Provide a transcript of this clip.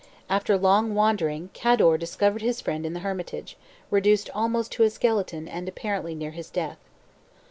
After long wandering, Cador discovered his friend in the hermitage, reduced almost to a skeleton, and apparently near his death.